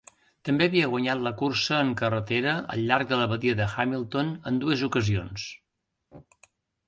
També havia guanyat la Cursa en Carretera al llarg de la Badia de Hamilton en dues ocasions.